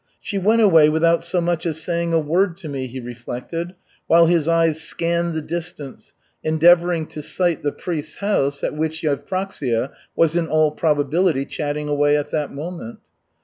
"She went away without so much as saying a word to me," he reflected, while his eyes scanned the distance, endeavoring to sight the priest's house, in which Yevpraksia was in all probability chatting away at that moment.